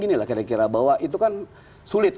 inilah kira kira bahwa itu kan sulit